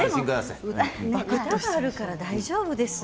歌があるから大丈夫ですよ。